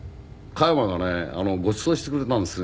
加山がねごちそうしてくれたんですよ